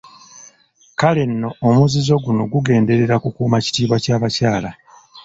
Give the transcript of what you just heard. Kale nno omuzizo guno gugenderera kukuuma kitiibwa ky'abakyala.